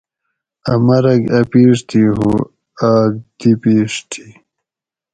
ا مرگ ا پیڛ تھی ہو آک دی پیڛ تھی